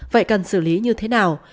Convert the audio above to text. vậy cần xử lý như thế nào